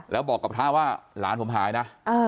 แล้วบอกกับพระว่าหลานผมหายนะ